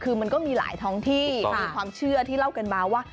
คือมันก็มีหลายท้องที่มีความเชื่อที่เล่ากันมาว่า